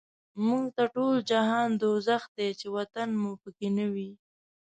موږ ته ټول جهان دوزخ دی، چی وطن مو په کی نه وی